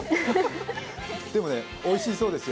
でもね、おいしいそうですよ。